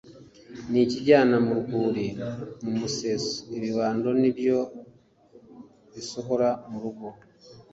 n'ukinjyana mu rwuri. mu museso, ibibando ni byo binsohora mu rugo